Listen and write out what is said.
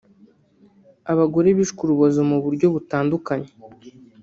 abagore bishwe urubozo mu buryo butandukanye